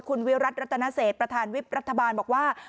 คุณวิรัติรัตนเศษประธานวิบรัฐบาลบอกว่า